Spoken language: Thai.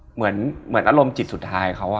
เหมือนอารมณ์จิตสุดท้ายเขา